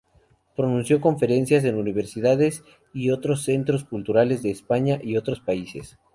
Pronunció conferencias en universidades y otros centros culturales de España y otros países.